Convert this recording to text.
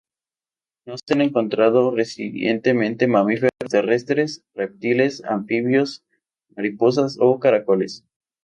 No se han encontrado recientemente mamíferos terrestres, reptiles, anfibios, mariposas o caracoles.